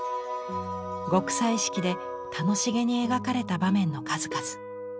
極彩色で楽しげに描かれた場面の数々。